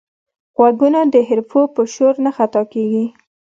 غوږونه د حرفو په شور نه خطا کېږي